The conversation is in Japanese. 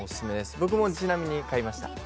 僕も、ちなみに買いました。